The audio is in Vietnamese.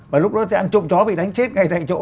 và lúc đó thì anh trộm chó bị đánh chết ngay tại chỗ